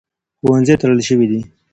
ښوونځي تړل شوي دي.